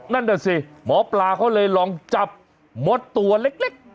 นั่นน่ะสิหมอปลาเขาเลยลองจับมดตัวเล็ก